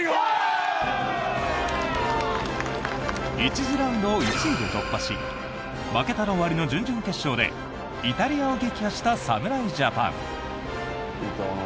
１次ラウンドを１位で突破し負けたら終わりの準々決勝でイタリアを撃破した侍ジャパン。